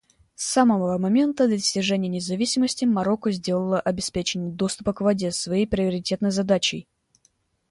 С самого момента достижения независимости Марокко сделало обеспечение доступа к воде своей приоритетной задачей.